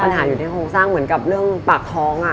ปัญหาอยู่ในโครงสร้างเหมือนกับเรื่องปากท้อง